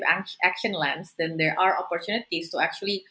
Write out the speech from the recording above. maka ada kesempatan untuk bekerja juga